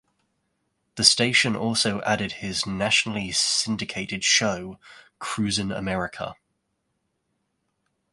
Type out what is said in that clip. The station also added his nationally syndicated show "Cruisin' America".